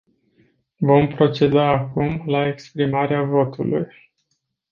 Vom proceda acum la exprimarea votului.